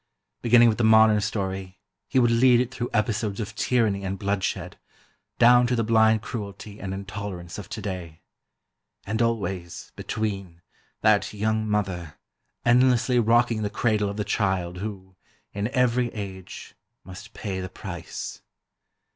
Beginning with the modern story, he would lead it through episodes of tyranny and bloodshed, down to the blind cruelty and intolerance of today. And always, between, that young mother, endlessly rocking the cradle of the child who, in every age, must pay the price.